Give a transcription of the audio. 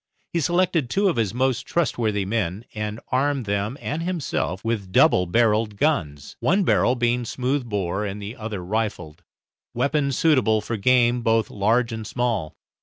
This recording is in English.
He selected two of his most trustworthy men, and armed them and himself with double barrelled guns, one barrel being smooth bore and the other rifled, weapons suitable for game both large and small.